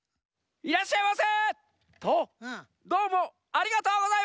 いらっしゃいませ！